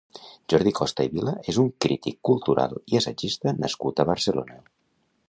Jordi Costa i Vila és un crític cultural i assagista nascut a Barcelona.